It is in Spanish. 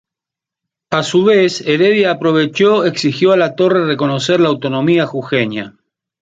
A su vez, Heredia aprovechó exigió a Latorre reconocer la autonomía jujeña.